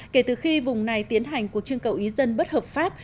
kể từ khi vùng này tiến hành cuộc trưng cầu ý dân bất hợp pháp